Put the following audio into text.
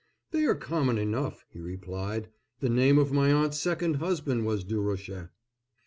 "They are common enough," he replied. "The name of my aunt's second husband was Durocher."